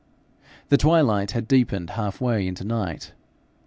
The twilight had deepened half way into night.